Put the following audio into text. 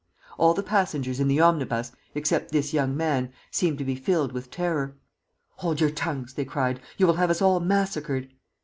All the passengers in the omnibus, except this young man, seemed to be filled with terror. 'Hold your tongues!' they cried; 'you will have us all massacred.'